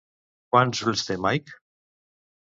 Quants ulls té Mike?